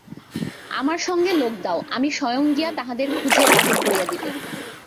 আমার সঙ্গে লােক দাও, আমি স্বয়ং গিয়া তাহাদের খুঁজিয়া বাহির করিয়া দিব।